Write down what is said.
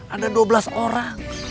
ada dua belas orang